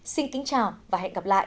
xin kính chào và hẹn gặp lại